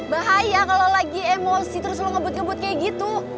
bahaya kalau lagi emosi terus lo ngebut ngebut kayak gitu